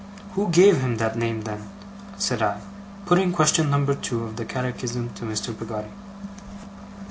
'Who gave him that name, then?' said I, putting question number two of the catechism to Mr. Peggotty.